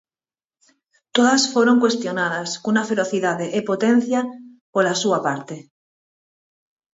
Todas foron cuestionadas cunha ferocidade e potencia pola súa parte.